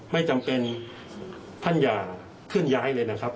ไม่จำเป็นท่านอย่าเคลื่อนย้ายเลยนะครับ